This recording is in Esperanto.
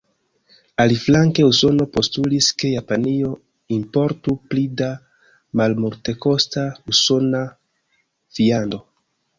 Aliflanke Usono postulis, ke Japanio importu pli da malmultekosta usona viando.